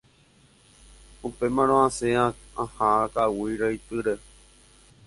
Upémarõ asẽ aha ka'aguy ra'ytýre.